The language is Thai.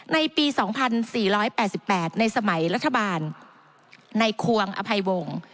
ในปี๒๔๘๘ในสมัยรัฐบาลในควงอภัยวงศ์